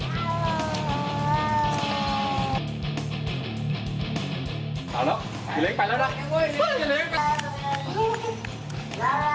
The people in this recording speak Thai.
เรากำลังหล่อไปเที่ยงขึ้น